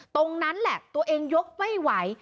ตรงนั้นแหละตัวเองยกไม่ไหว